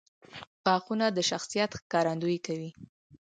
• غاښونه د شخصیت ښکارندویي کوي.